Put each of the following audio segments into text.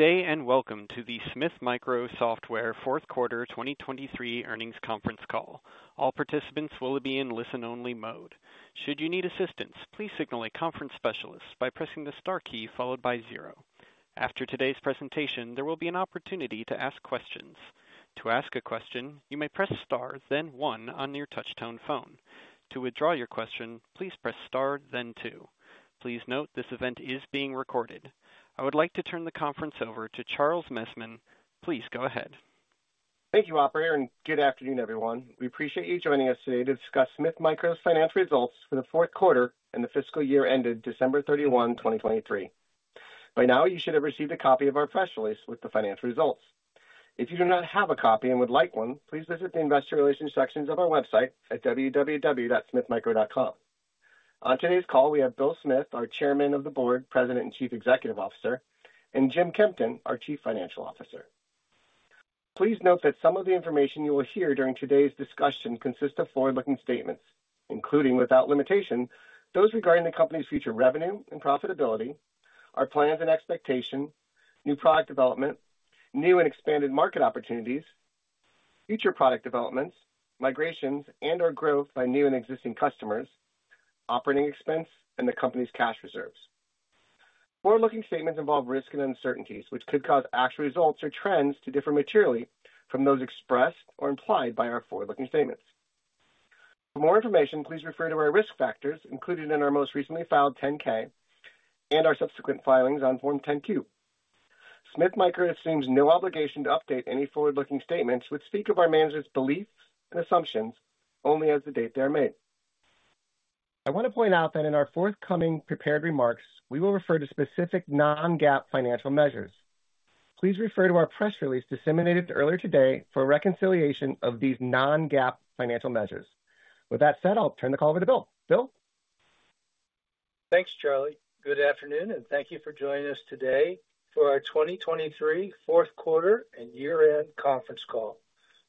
Good day, and welcome to the Smith Micro Software fourth quarter 2023 earnings conference call. All participants will be in listen-only mode. Should you need assistance, please signal a conference specialist by pressing the star key followed by zero. After today's presentation, there will be an opportunity to ask questions. To ask a question, you may press star, then one on your touchtone phone. To withdraw your question, please press star, then two. Please note, this event is being recorded. I would like to turn the conference over to Charles Messman. Please go ahead. Thank you, operator, and good afternoon, everyone. We appreciate you joining us today to discuss Smith Micro's financial results for the fourth quarter and the fiscal year ended December 31, 2023. By now, you should have received a copy of our press release with the financial results. If you do not have a copy and would like one, please visit the investor relations sections of our website at www.smithmicro.com. On today's call, we have Bill Smith, our Chairman of the Board, President, and Chief Executive Officer, and Jim Kempton, our Chief Financial Officer. Please note that some of the information you will hear during today's discussion consists of forward-looking statements, including, without limitation, those regarding the company's future revenue and profitability, our plans and expectations, new product development, new and expanded market opportunities, future product developments, migrations, and/or growth by new and existing customers, operating expense, and the company's cash reserves. Forward-looking statements involve risks and uncertainties, which could cause actual results or trends to differ materially from those expressed or implied by our forward-looking statements. For more information, please refer to our risk factors included in our most recently filed 10-K and our subsequent filings on Form 10-Q. Smith Micro assumes no obligation to update any forward-looking statements, which speak of our management's beliefs and assumptions only as the date they are made. I want to point out that in our forthcoming prepared remarks, we will refer to specific Non-GAAP financial measures. Please refer to our press release disseminated earlier today for a reconciliation of these Non-GAAP financial measures. With that said, I'll turn the call over to Bill. Bill? Thanks, Charlie. Good afternoon, and thank you for joining us today for our 2023 fourth quarter and year-end conference call.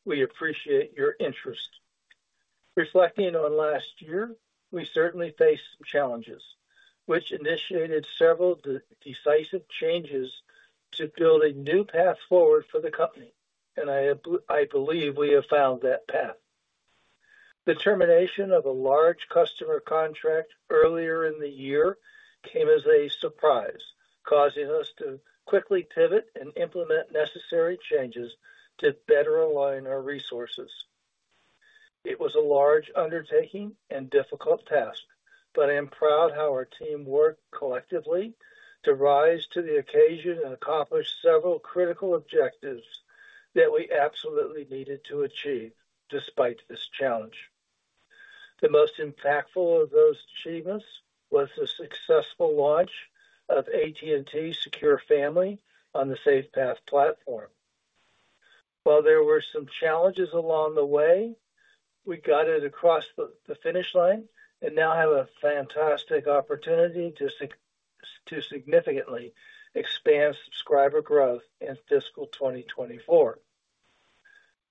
We appreciate your interest. Reflecting on last year, we certainly faced some challenges, which initiated several decisive changes to build a new path forward for the company, and I believe we have found that path. The termination of a large customer contract earlier in the year came as a surprise, causing us to quickly pivot and implement necessary changes to better align our resources. It was a large undertaking and difficult task, but I am proud how our team worked collectively to rise to the occasion and accomplish several critical objectives that we absolutely needed to achieve despite this challenge. The most impactful of those achievements was the successful launch of AT&T Secure Family on the SafePath platform. While there were some challenges along the way, we got it across the finish line and now have a fantastic opportunity to significantly expand subscriber growth in fiscal 2024.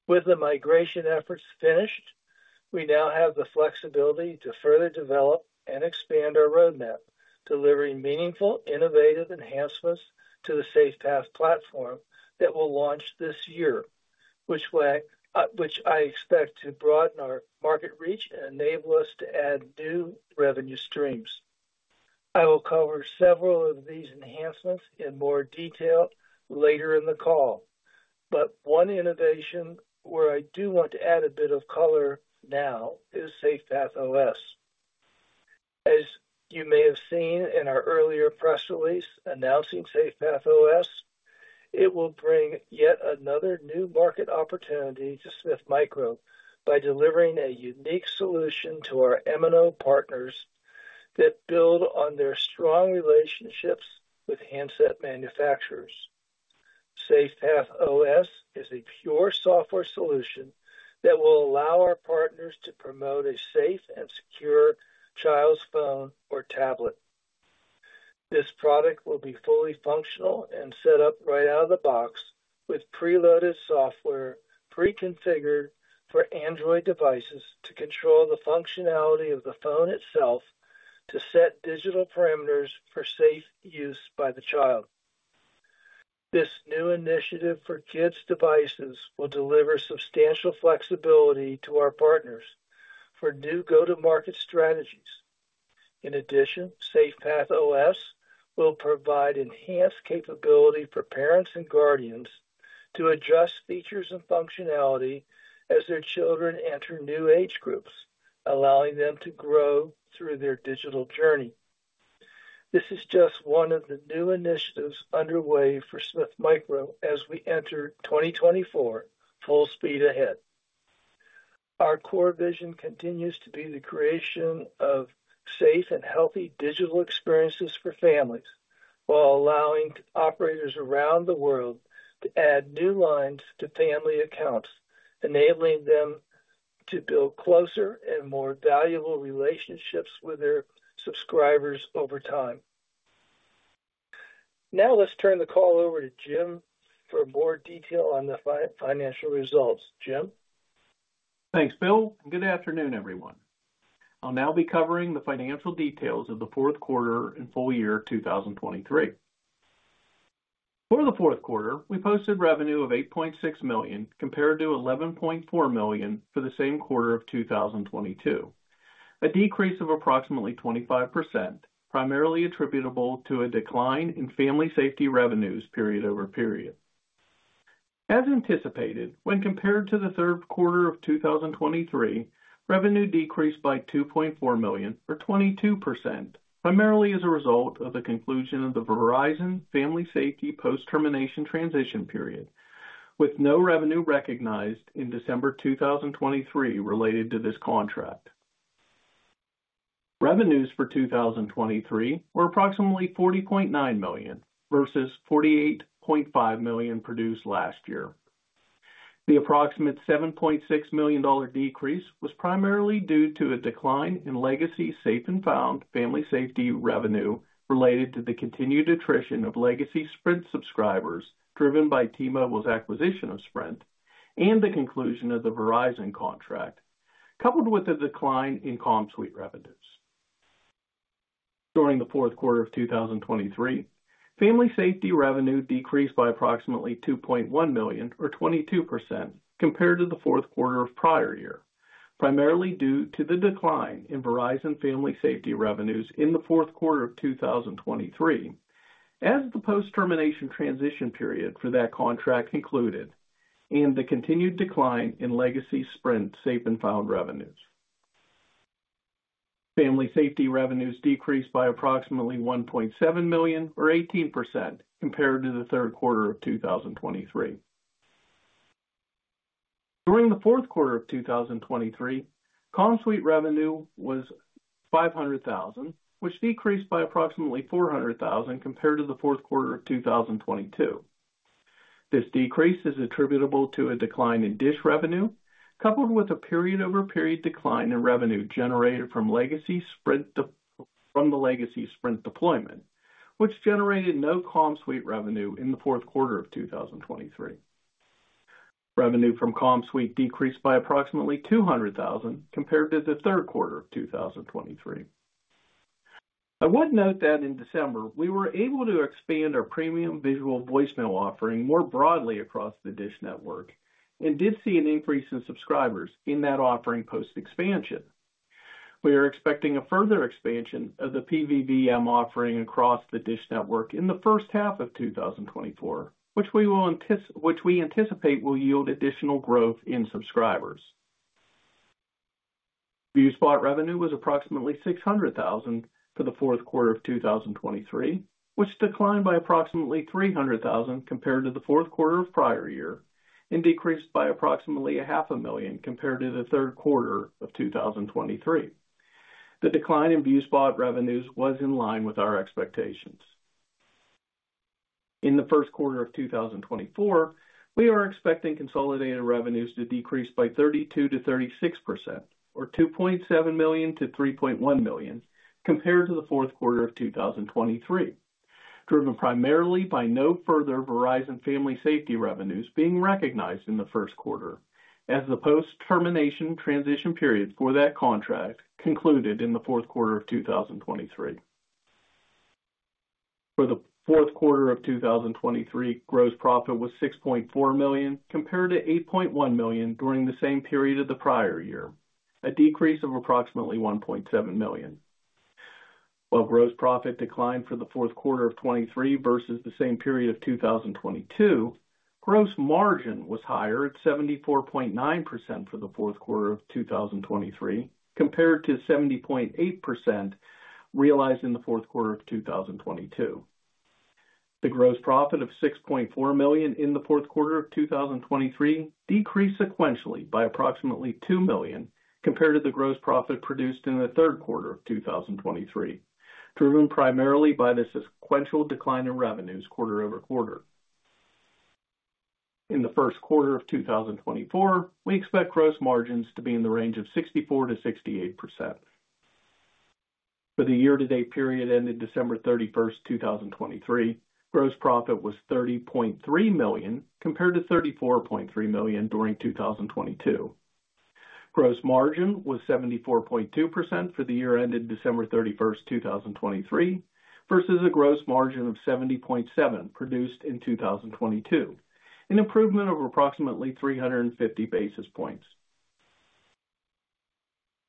With the migration efforts finished, we now have the flexibility to further develop and expand our roadmap, delivering meaningful, innovative enhancements to the SafePath platform that will launch this year, which I expect to broaden our market reach and enable us to add new revenue streams. I will cover several of these enhancements in more detail later in the call, but one innovation where I do want to add a bit of color now is SafePath OS. As you may have seen in our earlier press release announcing SafePath OS, it will bring yet another new market opportunity to Smith Micro by delivering a unique solution to our MNO partners that build on their strong relationships with handset manufacturers. SafePath OS is a pure software solution that will allow our partners to promote a safe and secure child's phone or tablet. This product will be fully functional and set up right out of the box, with preloaded software, pre-configured for Android devices to control the functionality of the phone itself, to set digital parameters for safe use by the child. This new initiative for kids' devices will deliver substantial flexibility to our partners for new go-to-market strategies. In addition, SafePath OS will provide enhanced capability for parents and guardians to adjust features and functionality as their children enter new age groups, allowing them to grow through their digital journey. This is just one of the new initiatives underway for Smith Micro as we enter 2024, full speed ahead. Our core vision continues to be the creation of safe and healthy digital experiences for families, while allowing operators around the world to add new lines to family accounts, enabling them to build closer and more valuable relationships with their subscribers over time. Now, let's turn the call over to Jim for more detail on the financial results. Jim? Thanks, Bill, and good afternoon, everyone. I'll now be covering the financial details of the fourth quarter and full year 2023. For the fourth quarter, we posted revenue of $8.6 million, compared to $11.4 million for the same quarter of 2022, a decrease of approximately 25%, primarily attributable to a decline in family safety revenues period over period. As anticipated, when compared to the third quarter of 2023, revenue decreased by $2.4 million, or 22%, primarily as a result of the conclusion of the Verizon Family Safety post-termination transition period, with no revenue recognized in December 2023 related to this contract. Revenues for 2023 were approximately $40.9 million versus $48.5 million produced last year. The approximate $7.6 million decrease was primarily due to a decline in legacy Safe & Found Family Safety revenue related to the continued attrition of legacy Sprint subscribers, driven by T-Mobile's acquisition of Sprint, and the conclusion of the Verizon contract, coupled with a decline in CommSuite revenues. During the fourth quarter of 2023, Family Safety revenue decreased by approximately $2.1 million, or 22% compared to the fourth quarter of prior year, primarily due to the decline in Verizon Family Safety revenues in the fourth quarter of 2023, as the post-termination transition period for that contract concluded and the continued decline in legacy Sprint Safe & Found revenues. Family Safety revenues decreased by approximately $1.7 million, or 18% compared to the third quarter of 2023. During the fourth quarter of 2023, CommSuite revenue was $500,000, which decreased by approximately $400,000 compared to the fourth quarter of 2022. This decrease is attributable to a decline in DISH revenue, coupled with a period-over-period decline in revenue generated from the legacy Sprint deployment, which generated no CommSuite revenue in the fourth quarter of 2023. Revenue from CommSuite decreased by approximately $200,000 compared to the third quarter of 2023. I would note that in December, we were able to expand our premium visual voicemail offering more broadly across the DISH Network and did see an increase in subscribers in that offering post-expansion. We are expecting a further expansion of the PVVM offering across the DISH Network in the first half of 2024, which we anticipate will yield additional growth in subscribers. ViewSpot revenue was approximately $600,000 for the fourth quarter of 2023, which declined by approximately $300,000 compared to the fourth quarter of prior year, and decreased by approximately $500,000 compared to the third quarter of 2023. The decline in ViewSpot revenues was in line with our expectations. In the first quarter of 2024, we are expecting consolidated revenues to decrease by 32%-36%, or $2.7 million-$3.1 million, compared to the fourth quarter of 2023, driven primarily by no further Verizon Family Safety revenues being recognized in the first quarter, as the post-termination transition period for that contract concluded in the fourth quarter of 2023. For the fourth quarter of 2023, gross profit was $6.4 million, compared to $8.1 million during the same period of the prior year, a decrease of approximately $1.7 million. While gross profit declined for the fourth quarter of 2023 versus the same period of 2022, gross margin was higher at 74.9% for the fourth quarter of 2023, compared to 70.8%, realized in the fourth quarter of 2022. The gross profit of $6.4 million in the fourth quarter of 2023 decreased sequentially by approximately $2 million compared to the gross profit produced in the third quarter of 2023, driven primarily by the sequential decline in revenues quarter-over-quarter. In the first quarter of 2024, we expect gross margins to be in the range of 64%-68%. For the year-to-date period ended December 31st, 2023, gross profit was $30.3 million, compared to $34.3 million during 2022. Gross margin was 74.2% for the year ended December 31st, 2023, versus a gross margin of 70.7% produced in 2022, an improvement of approximately 350 basis points.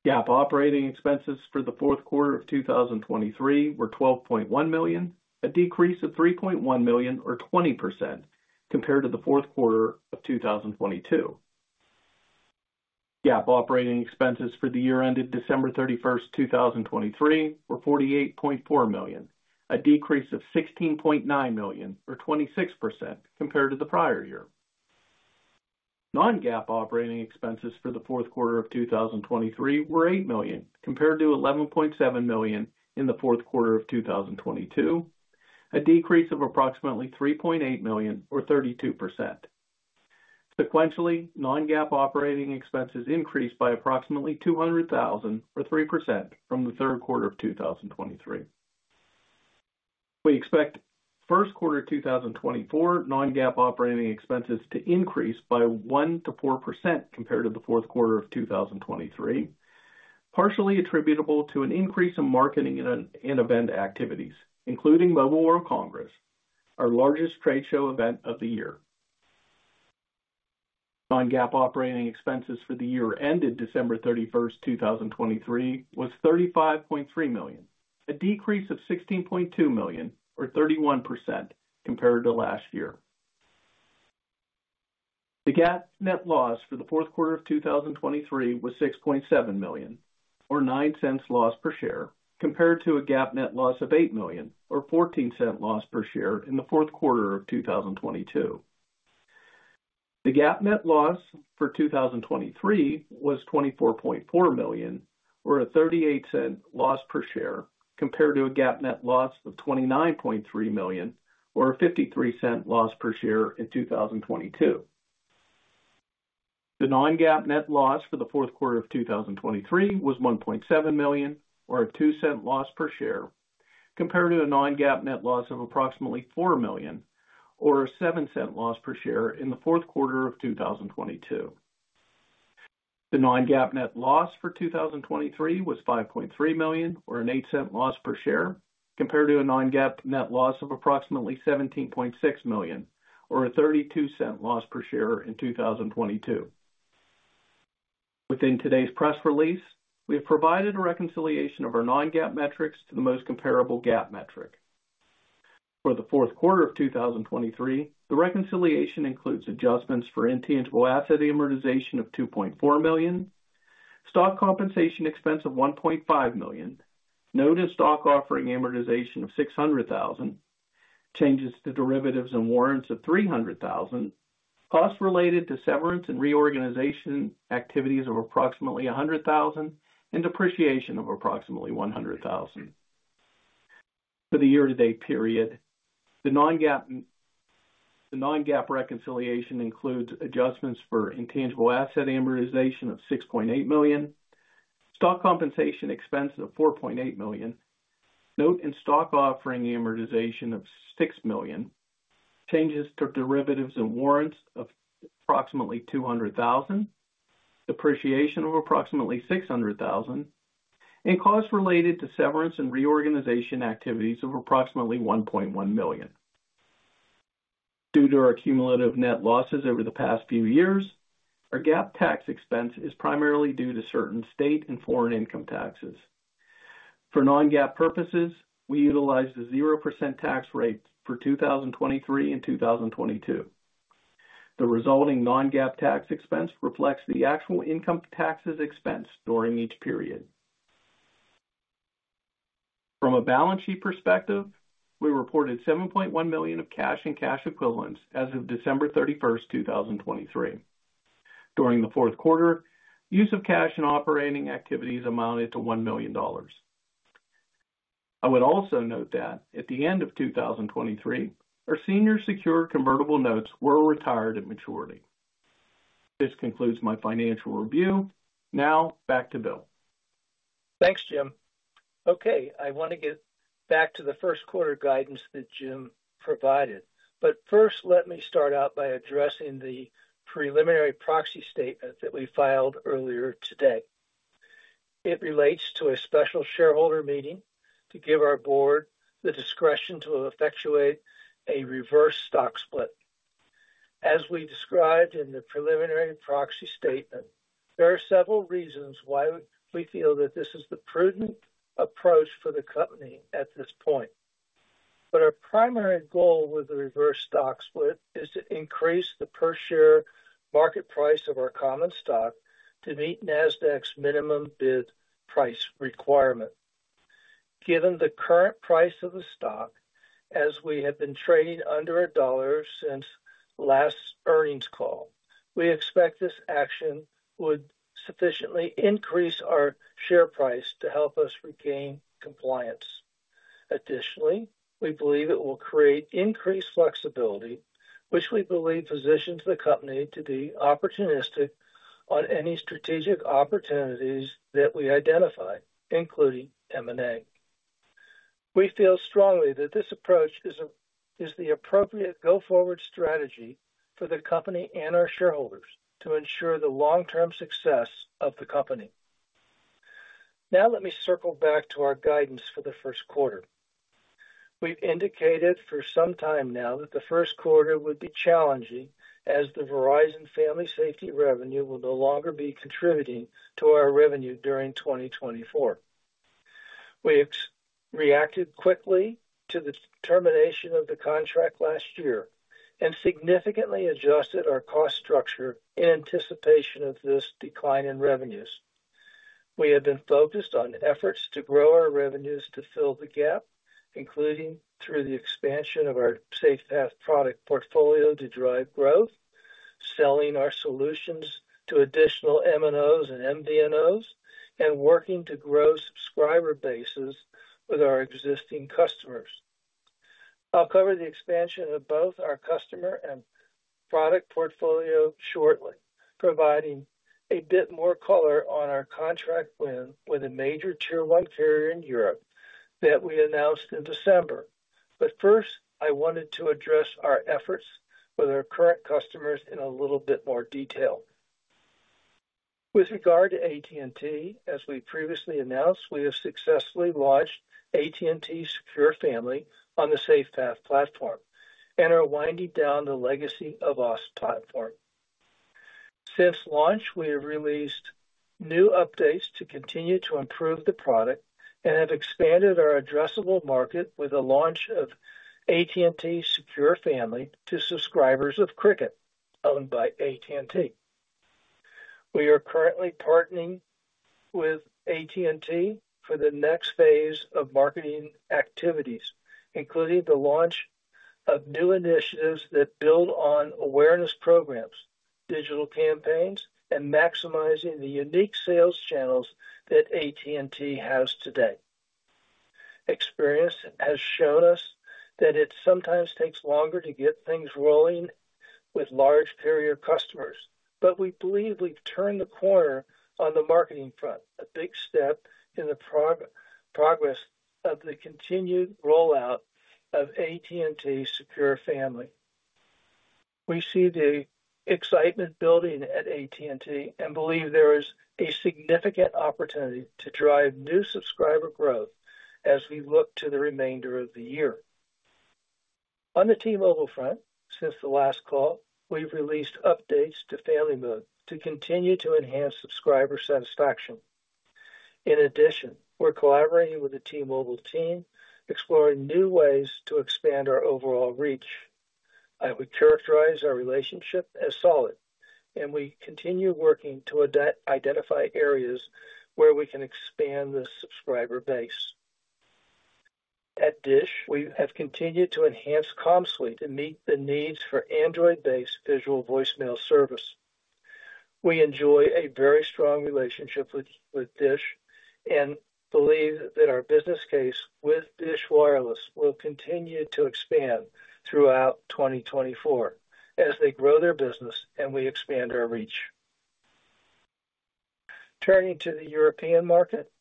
GAAP operating expenses for the fourth quarter of 2023 were $12.1 million, a decrease of $3.1 million, or 20% compared to the fourth quarter of 2022. GAAP operating expenses for the year ended December 31st, 2023, were $48.4 million, a decrease of $16.9 million, or 26% compared to the prior year. Non-GAAP operating expenses for the fourth quarter of 2023 were $8 million, compared to $11.7 million in the fourth quarter of 2022, a decrease of approximately $3.8 million, or 32%. Sequentially, non-GAAP operating expenses increased by approximately $200,000, or 3% from the third quarter of 2023. We expect first quarter 2024 non-GAAP operating expenses to increase by 1%-4% compared to the fourth quarter of 2023, partially attributable to an increase in marketing and event activities, including Mobile World Congress, our largest trade show event of the year. Non-GAAP operating expenses for the year ended December 31st, 2023, was $35.3 million, a decrease of $16.2 million, or 31% compared to last year. The GAAP net loss for the fourth quarter of 2023 was $6.7 million, or $0.09 loss per share, compared to a GAAP net loss of $8 million or $0.14 loss per share in the fourth quarter of 2022. The GAAP net loss for 2023 was $24.4 million, or a $0.38 loss per share, compared to a GAAP net loss of $29.3 million or a $0.53 loss per share in 2022. The non-GAAP net loss for the fourth quarter of 2023 was $1.7 million or a $0.02 loss per share, compared to a non-GAAP net loss of approximately $4 million or a $0.07 loss per share in the fourth quarter of 2022. The non-GAAP net loss for 2023 was $5.3 million, or a $0.08 loss per share, compared to a non-GAAP net loss of approximately $17.6 million or a $0.32 loss per share in 2022. Within today's press release, we have provided a reconciliation of our non-GAAP metrics to the most comparable GAAP metric. For the fourth quarter of 2023, the reconciliation includes adjustments for intangible asset amortization of $2.4 million, stock compensation expense of $1.5 million, note and stock offering amortization of $600,000, changes to derivatives and warrants of $300,000, costs related to severance and reorganization activities of approximately $100,000, and depreciation of approximately $100,000. For the year-to-date period, the non-GAAP reconciliation includes adjustments for intangible asset amortization of $6.8 million, stock compensation expense of $4.8 million, note and stock offering amortization of $6 million, changes to derivatives and warrants of approximately $200,000, depreciation of approximately $600,000, and costs related to severance and reorganization activities of approximately $1.1 million. Due to our cumulative net losses over the past few years, our GAAP tax expense is primarily due to certain state and foreign income taxes. For non-GAAP purposes, we utilized a 0% tax rate for 2023 and 2022. The resulting non-GAAP tax expense reflects the actual income taxes expense during each period. From a balance sheet perspective, we reported $7.1 million of cash and cash equivalents as of December 31st, 2023. During the fourth quarter, use of cash and operating activities amounted to $1 million. I would also note that at the end of 2023, our senior secured convertible notes were retired at maturity. This concludes my financial review. Now back to Bill. Thanks, Jim. Okay, I want to get back to the first quarter guidance that Jim provided. But first, let me start out by addressing the preliminary proxy statement that we filed earlier today. It relates to a special shareholder meeting to give our board the discretion to effectuate a reverse stock split. As we described in the preliminary proxy statement, there are several reasons why we feel that this is the prudent approach for the company at this point. But our primary goal with the reverse stock split is to increase the per share market price of our common stock to meet Nasdaq's minimum bid price requirement. Given the current price of the stock, as we have been trading under $1 since last earnings call, we expect this action would sufficiently increase our share price to help us regain compliance. Additionally, we believe it will create increased flexibility, which we believe positions the company to be opportunistic on any strategic opportunities that we identify, including M&A. We feel strongly that this approach is the appropriate go-forward strategy for the company and our shareholders to ensure the long-term success of the company. Now, let me circle back to our guidance for the first quarter. We've indicated for some time now that the first quarter would be challenging as the Verizon Family Safety revenue will no longer be contributing to our revenue during 2024. We've reacted quickly to the termination of the contract last year and significantly adjusted our cost structure in anticipation of this decline in revenues. We have been focused on efforts to grow our revenues to fill the gap, including through the expansion of our SafePath product portfolio to drive growth, selling our solutions to additional MNOs and MVNOs, and working to grow subscriber bases with our existing customers. I'll cover the expansion of both our customer and product portfolio shortly, providing a bit more color on our contract win with a major Tier 1 carrier in Europe that we announced in December. But first, I wanted to address our efforts with our current customers in a little bit more detail. With regard to AT&T, as we previously announced, we have successfully launched AT&T Secure Family on the SafePath platform and are winding down the legacy SafePath OS platform. Since launch, we have released new updates to continue to improve the product and have expanded our addressable market with the launch of AT&T Secure Family to subscribers of Cricket, owned by AT&T. We are currently partnering with AT&T for the next phase of marketing activities, including the launch of new initiatives that build on awareness programs, digital campaigns, and maximizing the unique sales channels that AT&T has today. Experience has shown us that it sometimes takes longer to get things rolling with large carrier customers, but we believe we've turned the corner on the marketing front, a big step in the progress of the continued rollout of AT&T Secure Family. We see the excitement building at AT&T and believe there is a significant opportunity to drive new subscriber growth as we look to the remainder of the year. On the T-Mobile front, since the last call, we've released updates to FamilyMode to continue to enhance subscriber satisfaction. In addition, we're collaborating with the T-Mobile team, exploring new ways to expand our overall reach. I would characterize our relationship as solid, and we continue working to identify areas where we can expand the subscriber base. At DISH, we have continued to enhance CommSuite to meet the needs for Android-based visual voicemail service. We enjoy a very strong relationship with DISH and believe that our business case with DISH Wireless will continue to expand throughout 2024 as they grow their business and we expand our reach. Turning to the European market,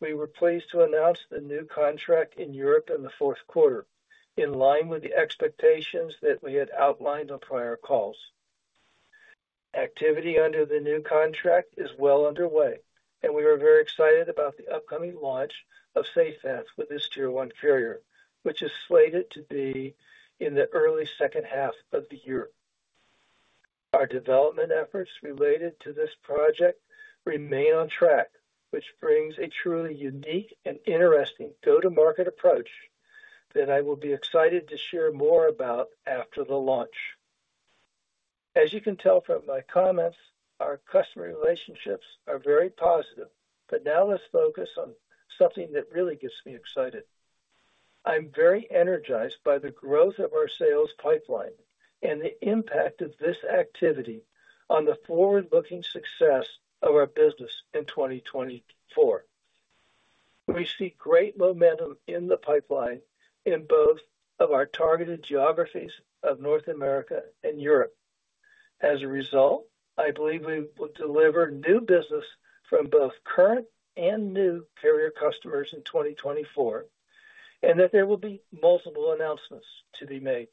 we were pleased to announce the new contract in Europe in the fourth quarter, in line with the expectations that we had outlined on prior calls. Activity under the new contract is well underway, and we are very excited about the upcoming launch of SafePath with this Tier 1 carrier, which is slated to be in the early second half of the year. Our development efforts related to this project remain on track, which brings a truly unique and interesting go-to-market approach that I will be excited to share more about after the launch. As you can tell from my comments, our customer relationships are very positive, but now let's focus on something that really gets me excited. I'm very energized by the growth of our sales pipeline and the impact of this activity on the forward-looking success of our business in 2024. We see great momentum in the pipeline in both of our targeted geographies of North America and Europe. As a result, I believe we will deliver new business from both current and new carrier customers in 2024, and that there will be multiple announcements to be made.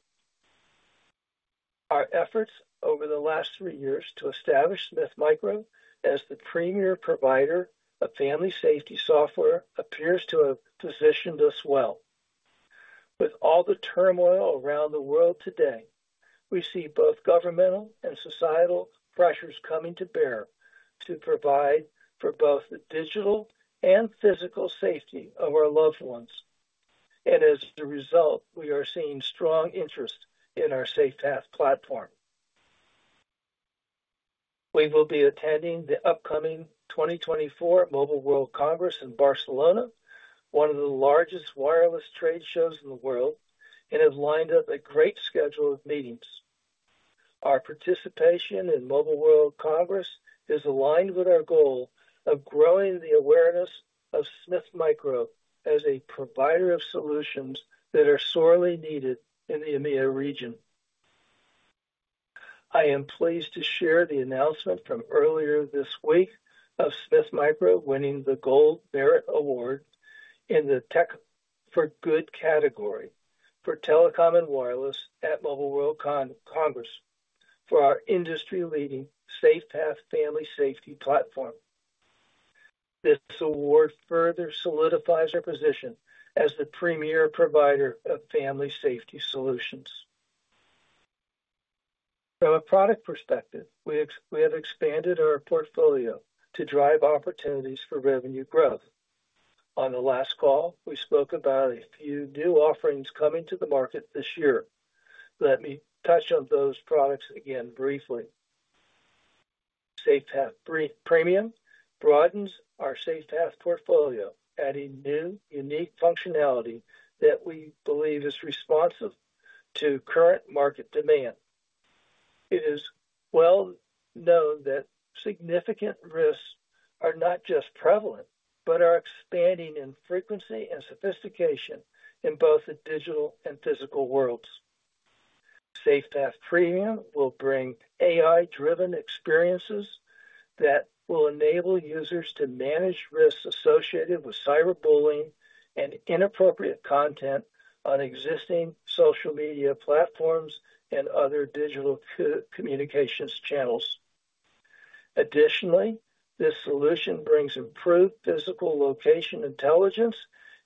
Our efforts over the last three years to establish Smith Micro as the premier provider of family safety software appears to have positioned us well. With all the turmoil around the world today, we see both governmental and societal pressures coming to bear to provide for both the digital and physical safety of our loved ones. And as a result, we are seeing strong interest in our SafePath platform. We will be attending the upcoming 2024 Mobile World Congress in Barcelona, one of the largest wireless trade shows in the world, and have lined up a great schedule of meetings. Our participation in Mobile World Congress is aligned with our goal of growing the awareness of Smith Micro as a provider of solutions that are sorely needed in the EMEA region. I am pleased to share the announcement from earlier this week of Smith Micro winning the Gold Barrett Award in the Tech for Good category for Telecom and Wireless at Mobile World Congress for our industry-leading SafePath Family Safety platform. This award further solidifies our position as the premier provider of family safety solutions. From a product perspective, we have expanded our portfolio to drive opportunities for revenue growth. On the last call, we spoke about a few new offerings coming to the market this year. Let me touch on those products again briefly. SafePath Premium broadens our SafePath portfolio, adding new, unique functionality that we believe is responsive to current market demand. It is well known that significant risks are not just prevalent, but are expanding in frequency and sophistication in both the digital and physical worlds. SafePath Premium will bring AI-driven experiences that will enable users to manage risks associated with cyberbullying and inappropriate content on existing social media platforms and other digital communication channels. Additionally, this solution brings improved physical location intelligence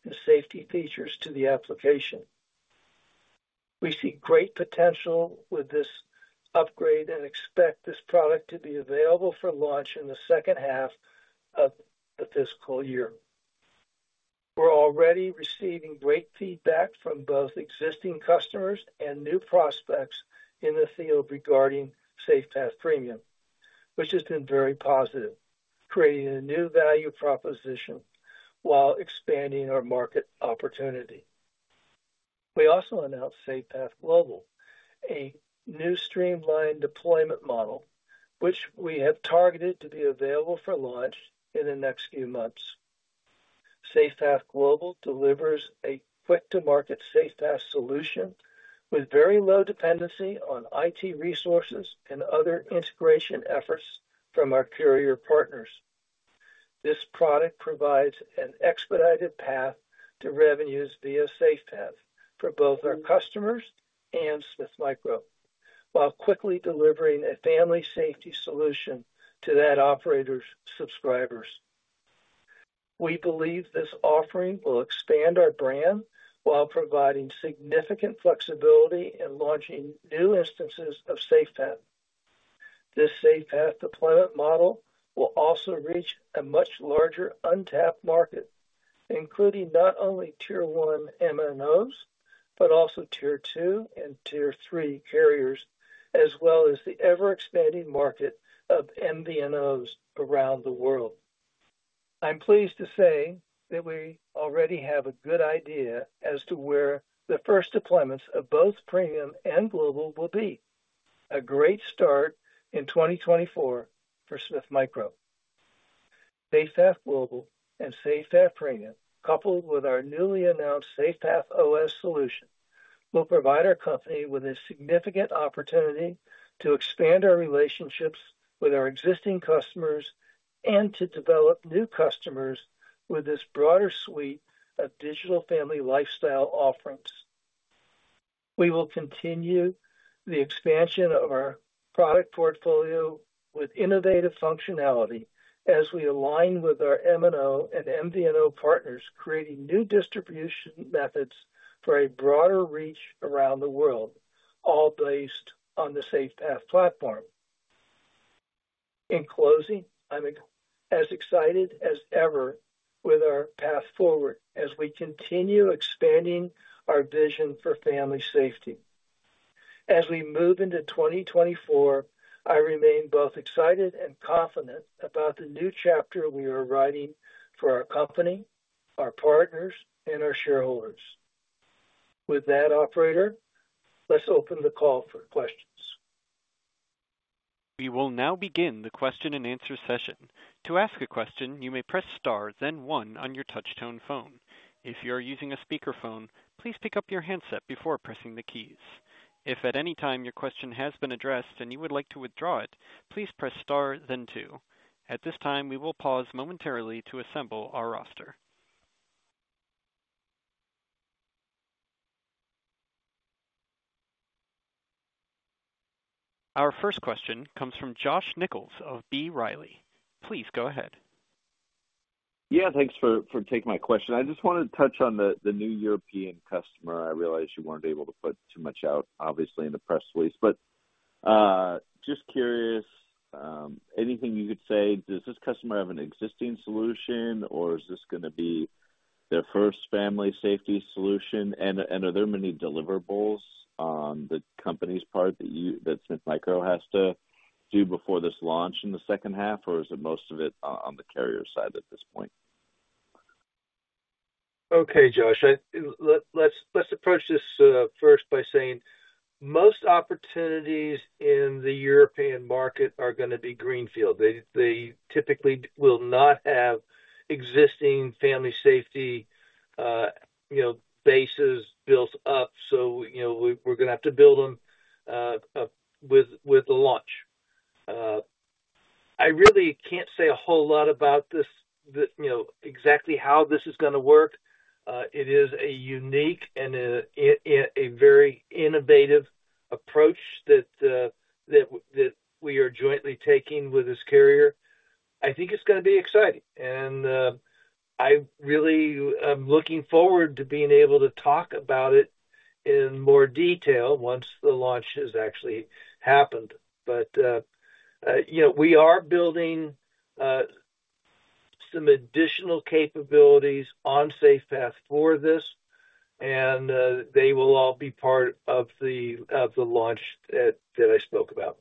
and safety features to the application. We see great potential with this upgrade and expect this product to be available for launch in the second half of the fiscal year. We're already receiving great feedback from both existing customers and new prospects in the field regarding SafePath Premium, which has been very positive, creating a new value proposition while expanding our market opportunity. We also announced SafePath Global, a new streamlined deployment model, which we have targeted to be available for launch in the next few months. SafePath Global delivers a quick-to-market SafePath solution with very low dependency on IT resources and other integration efforts from our carrier partners. This product provides an expedited path to revenues via SafePath for both our customers and Smith Micro, while quickly delivering a family safety solution to that operator's subscribers. We believe this offering will expand our brand while providing significant flexibility in launching new instances of SafePath. This SafePath deployment model will also reach a much larger untapped market, including not only Tier 1 MNOs, but also Tier 2 and Tier 3 carriers, as well as the ever-expanding market of MVNOs around the world. I'm pleased to say that we already have a good idea as to where the first deployments of both Premium and Global will be. A great start in 2024 for Smith Micro. SafePath Global and SafePath Premium, coupled with our newly announced SafePath OS solution, will provide our company with a significant opportunity to expand our relationships with our existing customers and to develop new customers with this broader suite of digital family lifestyle offerings. We will continue the expansion of our product portfolio with innovative functionality as we align with our MNO and MVNO partners, creating new distribution methods for a broader reach around the world, all based on the SafePath platform. In closing, I'm as excited as ever with our path forward as we continue expanding our vision for family safety. As we move into 2024, I remain both excited and confident about the new chapter we are writing for our company, our partners, and our shareholders. With that, operator, let's open the call for questions. We will now begin the question-and-answer session. To ask a question, you may press star, then one on your touch-tone phone. If you are using a speakerphone, please pick up your handset before pressing the keys. If at any time your question has been addressed and you would like to withdraw it, please press star then two. At this time, we will pause momentarily to assemble our roster. Our first question comes from Josh Nichols of B. Riley. Please go ahead. Yeah, thanks for taking my question. I just wanted to touch on the new European customer. I realize you weren't able to put too much out, obviously, in the press release, but just curious, anything you could say, does this customer have an existing solution, or is this gonna be their first family safety solution? And are there many deliverables on the company's part that Smith Micro has to do before this launch in the second half? Or is it most of it on the carrier side at this point? Okay, Josh, let's approach this first by saying, most opportunities in the European market are gonna be greenfield. They typically will not have existing family safety, you know, bases built up, so, you know, we're gonna have to build them with the launch. I really can't say a whole lot about this, you know, exactly how this is gonna work. It is a unique and a very innovative approach that we are jointly taking with this carrier. I think it's gonna be exciting, and I really am looking forward to being able to talk about it in more detail once the launch has actually happened. But, you know, we are building some additional capabilities on SafePath for this, and they will all be part of the launch that I spoke about.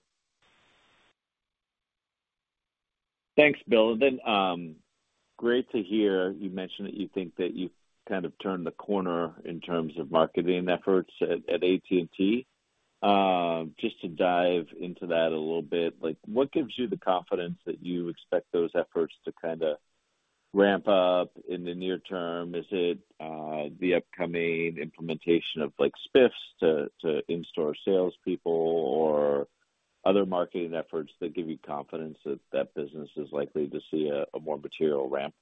Thanks, Bill. And then, great to hear you mention that you think that you've kind of turned the corner in terms of marketing efforts at AT&T. Just to dive into that a little bit, like, what gives you the confidence that you expect those efforts to kinda ramp up in the near term? Is it the upcoming implementation of, like, SPIFs to in-store salespeople or other marketing efforts that give you confidence that that business is likely to see a more material ramp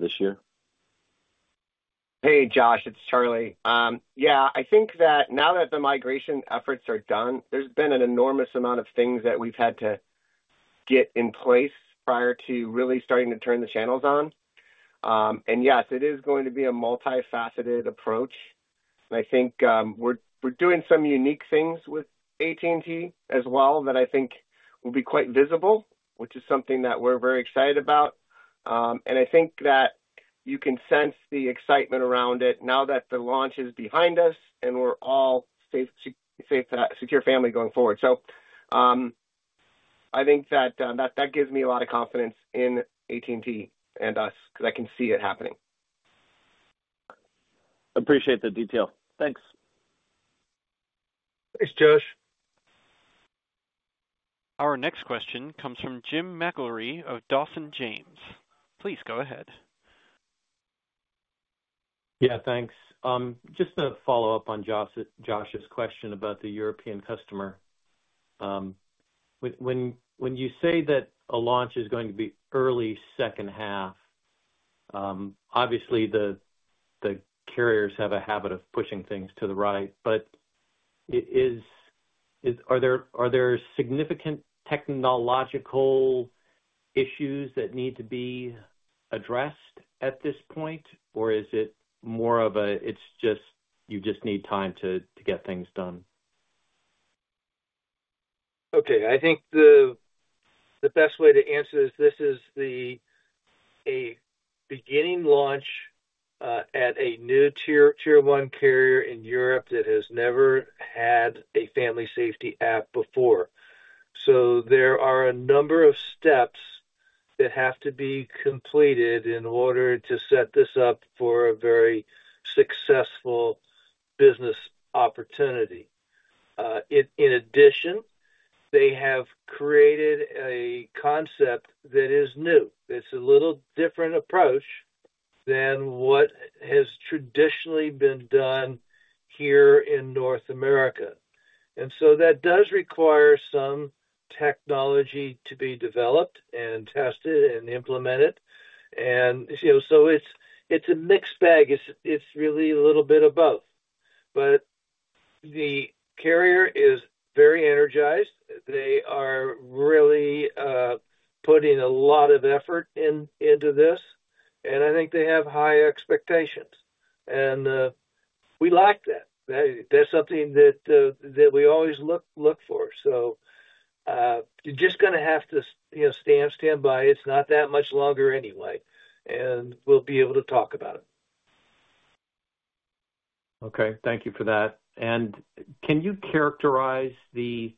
this year? Hey, Josh, it's Charlie. Yeah, I think that now that the migration efforts are done, there's been an enormous amount of things that we've had to get in place prior to really starting to turn the channels on. And yes, it is going to be a multifaceted approach. And I think we're doing some unique things with AT&T as well, that I think will be quite visible, which is something that we're very excited about. And I think that you can sense the excitement around it now that the launch is behind us and we're all safe, secure family going forward. So, I think that gives me a lot of confidence in AT&T and us because I can see it happening. Appreciate the detail. Thanks. Thanks, Josh. Our next question comes from Jim McIlree of Dawson James. Please go ahead. Yeah, thanks. Just to follow up on Josh's question about the European customer. When you say that a launch is going to be early second half, obviously, the carriers have a habit of pushing things to the right, but are there significant technological issues that need to be addressed at this point? Or is it more of a you just need time to get things done? Okay. I think the best way to answer is, this is a beginning launch at a new Tier 1 carrier in Europe that has never had a family safety app before. So there are a number of steps that have to be completed in order to set this up for a very successful business opportunity. In addition, they have created a concept that is new. It's a little different approach than what has traditionally been done here in North America, and so that does require some technology to be developed and tested and implemented. And, you know, so it's a mixed bag. It's really a little bit of both. But the carrier is very energized. They are really putting a lot of effort into this, and I think they have high expectations, and we like that. That's something that, that we always look for. So, you're just gonna have to, you know, stand by. It's not that much longer anyway, and we'll be able to talk about it. Okay. Thank you for that. And can you characterize the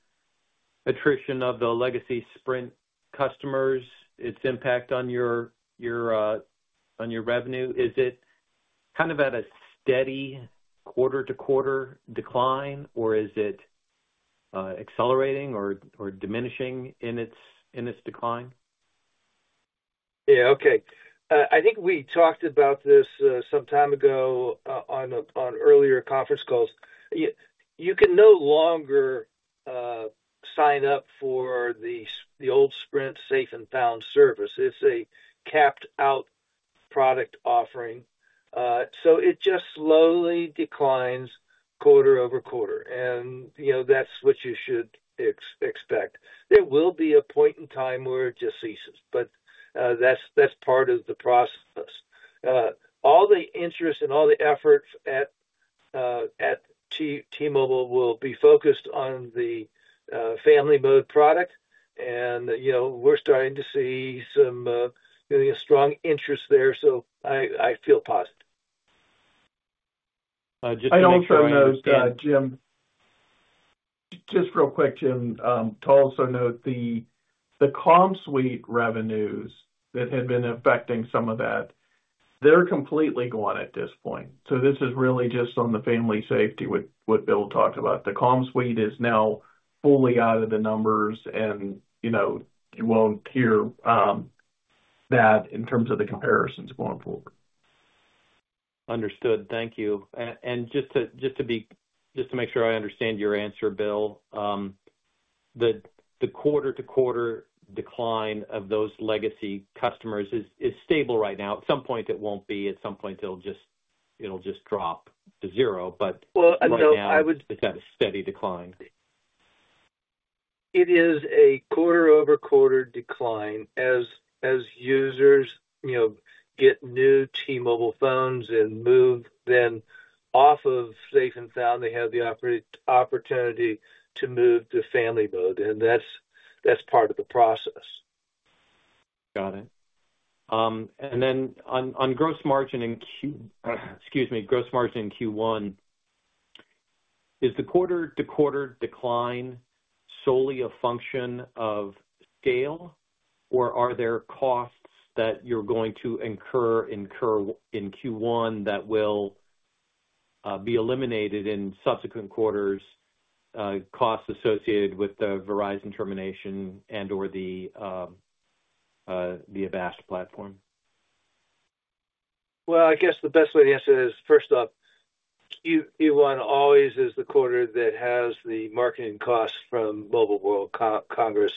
attrition of the legacy Sprint customers, its impact on your revenue? Is it kind of at a steady quarter-to-quarter decline, or is it accelerating or diminishing in its decline? Yeah. Okay. I think we talked about this some time ago on earlier conference calls. You can no longer sign up for the old Sprint Safe & Found service. It's a capped-out product offering. So it just slowly declines quarter over quarter, and, you know, that's what you should expect. There will be a point in time where it just ceases, but that's part of the process. All the interest and all the efforts at T-Mobile will be focused on the FamilyMode product, and, you know, we're starting to see some strong interest there, so I feel positive. Just to make sure I understand- I'd also note, Jim... Just real quick, Jim, to also note the CommSuite revenues that had been affecting some of that, they're completely gone at this point. So this is really just on the family safety, what Bill talked about. The CommSuite is now fully out of the numbers and, you know, you won't hear that in terms of the comparisons going forward. Understood. Thank you. And just to make sure I understand your answer, Bill, the quarter-to-quarter decline of those legacy customers is stable right now. At some point, it won't be. At some point, it'll just drop to zero. But- Well, I know, I would- It's got a steady decline. It is a quarter-over-quarter decline. As users, you know, get new T-Mobile phones and move them off of Safe & Found, they have the opportunity to move to FamilyMode, and that's part of the process. Got it. And then on gross margin in Q1. Excuse me, gross margin in Q1. Is the quarter-to-quarter decline solely a function of scale, or are there costs that you're going to incur in Q1 that will be eliminated in subsequent quarters, costs associated with the Verizon termination and/or the Avast platform? Well, I guess the best way to answer that is, first off, Q1 always is the quarter that has the marketing costs from Mobile World Congress,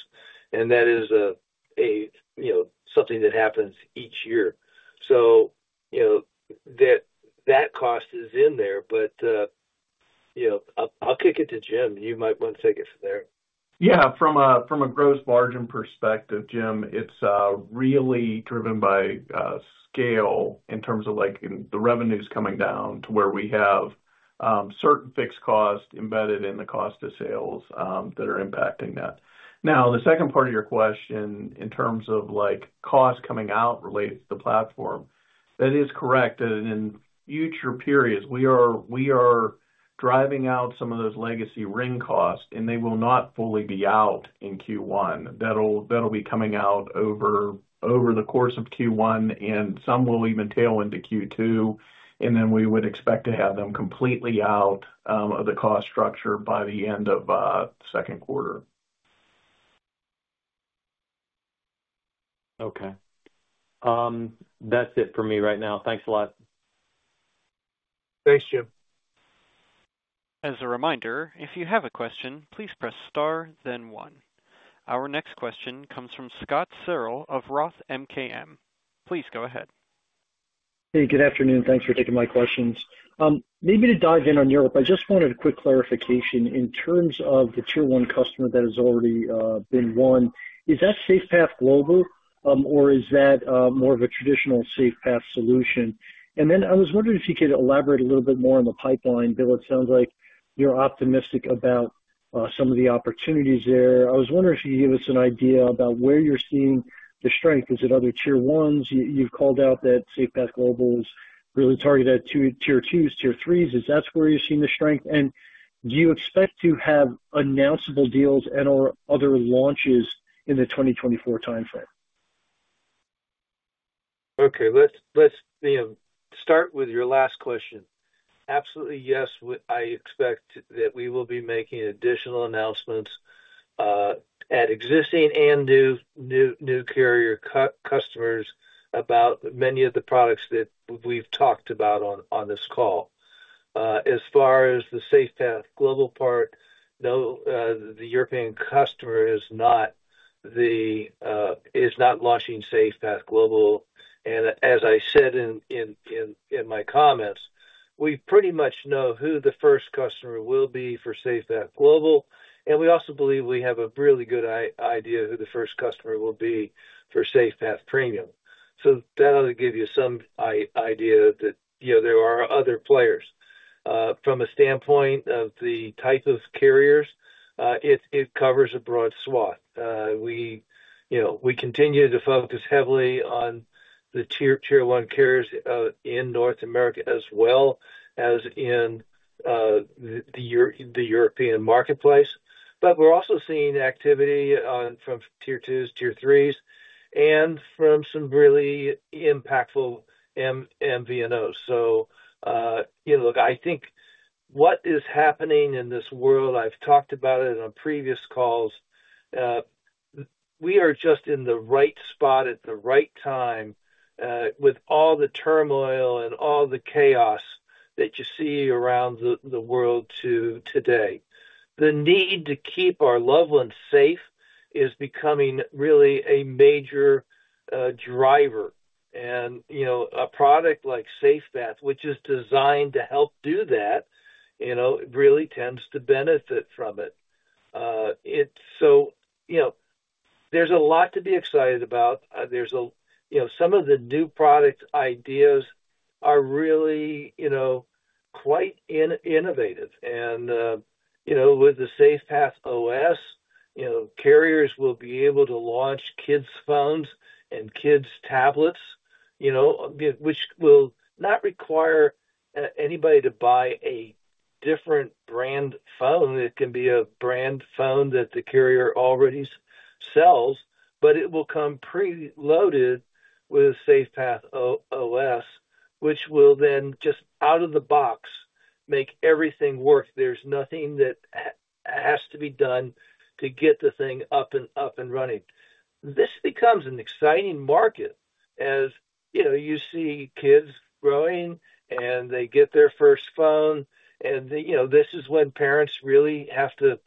and that is, you know, something that happens each year. So, you know, that cost is in there, but, you know, I'll kick it to Jim. You might want to take it from there. Yeah, from a gross margin perspective, Jim, it's really driven by scale in terms of, like, in the revenues coming down to where we have certain fixed costs embedded in the cost of sales that are impacting that. Now, the second part of your question, in terms of, like, costs coming out related to the platform, that is correct. And in future periods, we are driving out some of those legacy Sprint costs, and they will not fully be out in Q1. That'll be coming out over the course of Q1, and some will even tail into Q2, and then we would expect to have them completely out of the cost structure by the end of second quarter. Okay. That's it for me right now. Thanks a lot. Thanks, Jim. As a reminder, if you have a question, please press star then one. Our next question comes from Scott Searle of Roth MKM. Please go ahead. Hey, good afternoon. Thanks for taking my questions. Maybe to dive in on Europe, I just wanted a quick clarification. In terms of the Tier One customer that has already been won, is that SafePath Global, or is that more of a traditional SafePath solution? And then I was wondering if you could elaborate a little bit more on the pipeline, Bill. It sounds like you're optimistic about some of the opportunities there. I was wondering if you could give us an idea about where you're seeing the strength. Is it other Tier 1? You've called out that SafePath Global is really targeted at Tier 2, Tier 3. Is that where you're seeing the strength? And do you expect to have announceable deals and/or other launches in the 2024 timeframe? Okay, let's you know start with your last question. Absolutely, yes, we—I expect that we will be making additional announcements at existing and new carrier customers about many of the products that we've talked about on this call. As far as the SafePath Global part, no, the European customer is not launching SafePath Global. And as I said in my comments, we pretty much know who the first customer will be for SafePath Global, and we also believe we have a really good idea who the first customer will be for SafePath Premium. So that'll give you some idea that, you know, there are other players. From a standpoint of the type of carriers, it covers a broad swath. You know, we continue to focus heavily on the Tier 1 carriers in North America, as well as in the European marketplace. But we're also seeing activity from Tier 2, Tier 3, and from some really impactful MVNOs. So, you know, look, I think what is happening in this world, I've talked about it on previous calls, we are just in the right spot at the right time, with all the turmoil and all the chaos that you see around the world today. The need to keep our loved ones safe is becoming really a major driver. A product like SafePath, which is designed to help do that, you know, really tends to benefit from it. So, you know, there's a lot to be excited about. There's, you know, some of the new product ideas are really, you know, quite innovative. And, you know, with the SafePath OS, you know, carriers will be able to launch kids phones and kids tablets, you know, which will not require anybody to buy a different brand phone. It can be a brand phone that the carrier already sells, but it will come preloaded with SafePath OS, which will then just out of the box make everything work. There's nothing that has to be done to get the thing up and running. This becomes an exciting market. As you know, you see kids growing, and they get their first phone, and, you know, this is when parents really have to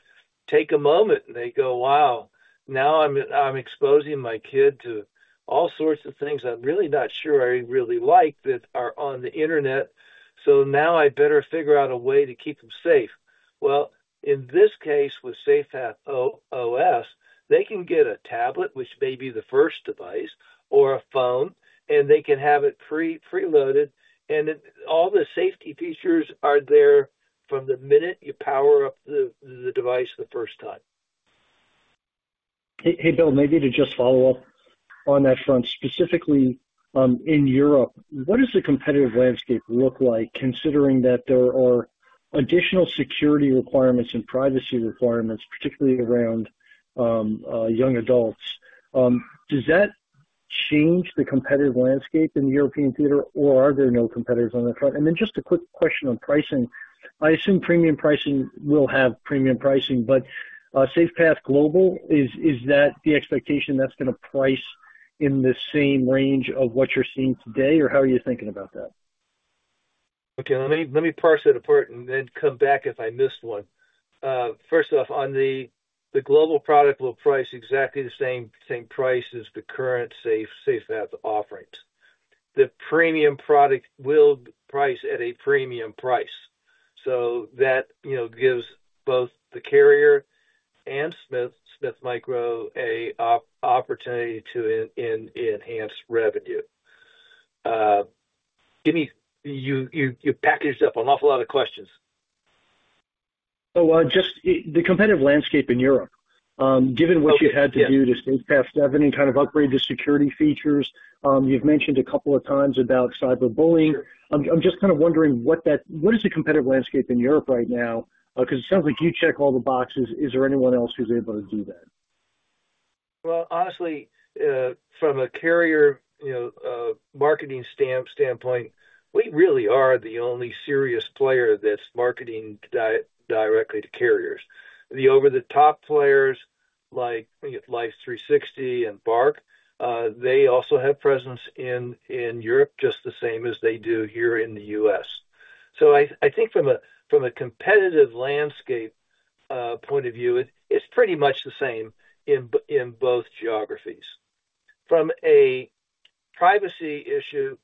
take a moment, and they go, "Wow, now I'm exposing my kid to all sorts of things I'm really not sure I really like that are on the internet, so now I better figure out a way to keep them safe." Well, in this case, with SafePath OS, they can get a tablet, which may be the first device or a phone, and they can have it preloaded, and it, all the safety features are there from the minute you power up the device the first time. Hey, hey, Bill, maybe to just follow up on that front, specifically, in Europe, what does the competitive landscape look like, considering that there are additional security requirements and privacy requirements, particularly around, young adults? Does that change the competitive landscape in the European theater, or are there no competitors on that front? And then just a quick question on pricing. I assume premium pricing will have premium pricing, but, SafePath Global, is, is that the expectation that's gonna price in the same range of what you're seeing today, or how are you thinking about that? Okay, let me parse that apart and then come back if I missed one. First off, on the global product, we'll price exactly the same price as the current SafePath offerings. The premium product will price at a premium price, so that, you know, gives both the carrier and Smith Micro an opportunity to enhance revenue. Give me... You packaged up an awful lot of questions. So, just the competitive landscape in Europe. Given what you had to do- Yeah. -to SafePath 7 and kind of upgrade the security features, you've mentioned a couple of times about cyberbullying. Sure. I'm just kind of wondering what is the competitive landscape in Europe right now? Because it sounds like you check all the boxes. Is there anyone else who's able to do that? Well, honestly, from a carrier, you know, marketing standpoint, we really are the only serious player that's marketing directly to carriers. The over-the-top players, like Life360 and Bark, they also have presence in Europe, just the same as they do here in the U.S. So I think from a competitive landscape point of view, it's pretty much the same in both geographies. From a privacy issue,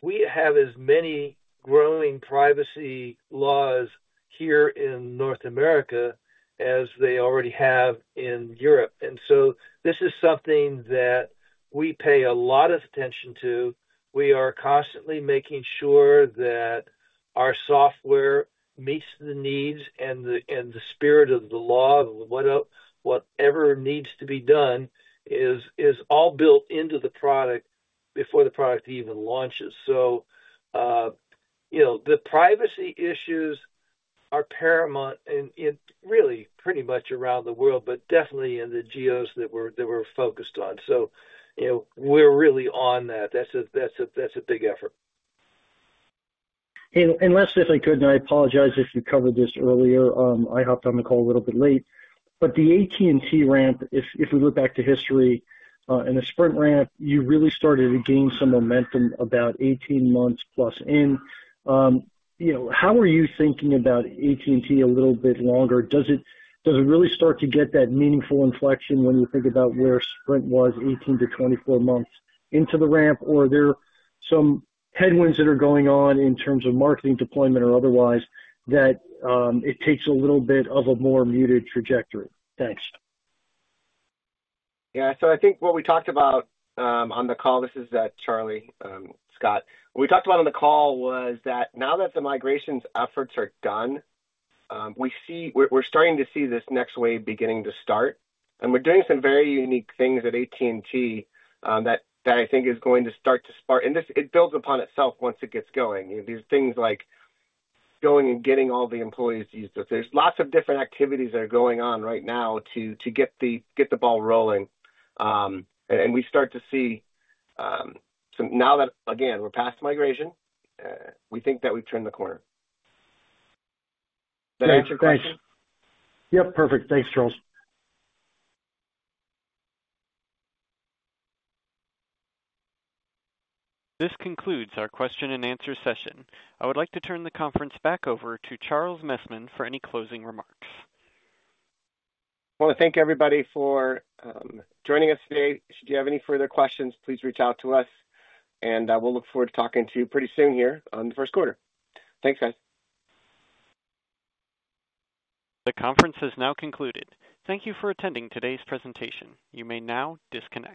we have as many growing privacy laws here in North America as they already have in Europe, and so this is something that we pay a lot of attention to. We are constantly making sure that our software meets the needs and the spirit of the law. Whatever needs to be done is all built into the product before the product even launches. So, you know, the privacy issues are paramount in really pretty much around the world, but definitely in the geos that we're focused on. So, you know, we're really on that. That's a big effort. Last, if I could, and I apologize if you covered this earlier, I hopped on the call a little bit late, but the AT&T ramp, if we look back to history, and the Sprint ramp, you really started to gain some momentum about 18 months plus in. You know, how are you thinking about AT&T a little bit longer? Does it really start to get that meaningful inflection when you think about where Sprint was 18-24 months into the ramp, or are there some headwinds that are going on in terms of marketing, deployment, or otherwise, that it takes a little bit of a more muted trajectory? Thanks. Yeah, so I think what we talked about on the call, this is Charlie, Scott. What we talked about on the call was that now that the migrations efforts are done, we're starting to see this next wave beginning to start, and we're doing some very unique things at AT&T that I think is going to start to spark. And this, it builds upon itself once it gets going. There's things like going and getting all the employees to use this. There's lots of different activities that are going on right now to get the ball rolling. And we start to see some. Now that, again, we're past migration, we think that we've turned the corner. Did that answer your question? Yeah, thanks. Yep, perfect. Thanks, Charles. This concludes our question and answer session. I would like to turn the conference back over to Charles Messman for any closing remarks. I want to thank everybody for joining us today. Should you have any further questions, please reach out to us, and we'll look forward to talking to you pretty soon here on the first quarter. Thanks, guys. The conference is now concluded. Thank you for attending today's presentation. You may now disconnect.